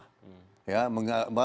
prabowo mau bikin negara kilafah